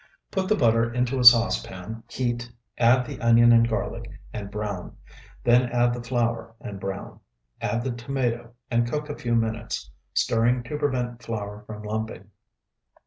Put the butter into a saucepan, heat, add the onion and garlic, and brown, then add the flour and brown, add the tomato, and cook a few minutes, stirring to prevent flour from lumping.